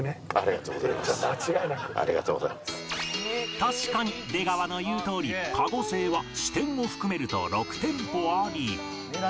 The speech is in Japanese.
確かに出川の言うとおり籠は支店を含めると６店舗あり